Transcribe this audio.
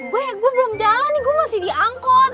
gue belum jalan nih gue masih diangkot